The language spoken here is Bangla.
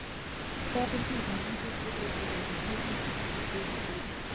পরদিনে মহেন্দ্র চলিয়া গেল, বিনোদিনীকে কিছুই বলিয়া গেল না।